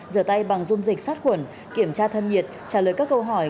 rửa tay bằng dung dịch sát khuẩn kiểm tra thân nhiệt trả lời các câu hỏi